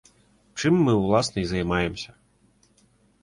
Чым мы ўласна і займаемся.